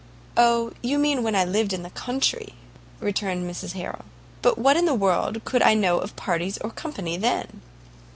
"Oh, you mean when I lived in the country," returned Mrs Harrel; "but what in the world could I know of parties or company then?"